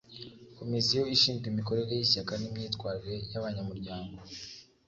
Komosiyo ishinzwe imikorere y’Ishyaka n’imyitwarire y’abanyamuryango